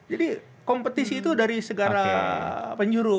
jadi kompetisi itu dari segara penyuru